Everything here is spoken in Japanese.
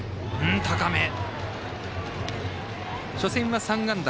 初戦は３安打。